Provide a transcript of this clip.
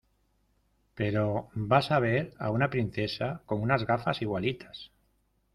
pero vas a ver a una princesa con unas gafas igualitas